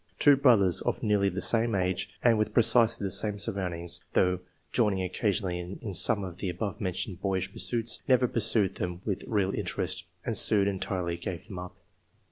Two brothers, of nearly the same age, and with precisely the same surround ings, though joining occasionally in some of the above mentioned boyish pursuits, never pursued them with real interest, and soon entirely gave them up."